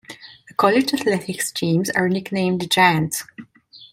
The college athletics teams are nicknamed the Giants.